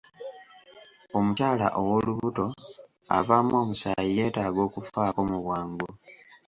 Omukyala ow'Olubuto avaamu Omusaayi yeetaaga okufaako mu bwangu.